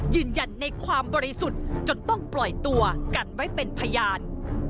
ยืนยันในความบริสุทธิ์จนต้องปล่อยตัวกันไว้เป็นพยาน